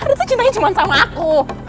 ardi tuh cintanya cuman sama aku